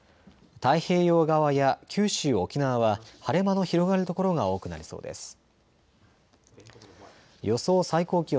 太平洋側や九州、沖縄は晴れ間の広がる所が多くなりそうです。